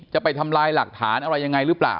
จะไปทำลายหลักฐานอะไรยังไงหรือเปล่า